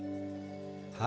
kepala mahkamah jombang